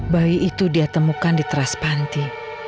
bayi itu dia temukan di teras panti